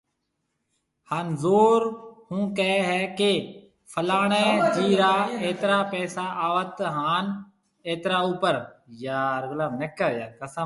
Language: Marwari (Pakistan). هان زور ھونڪي هي ڪي فلاڻي جي را ايترا پئسا آوت هان اترا اوپر